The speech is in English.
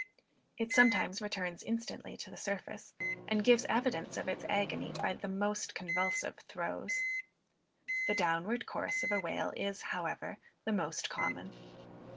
It sometimes returns instantly to the surface, and gives evidence of its agony by the most convulsive throes. The downward course of a whale is, however, the most common.